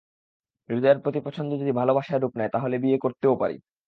হৃদয়ের প্রতি পছন্দ যদি ভালোবাসায় রূপ নেয় তাহলে বিয়ে করতেও পারি।